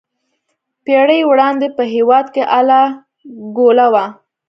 پېړۍ وړاندې په هېواد کې اله ګوله وه.